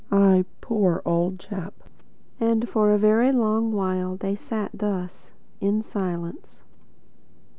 "Ah, poor old chap." And for a long while they sat thus in silence.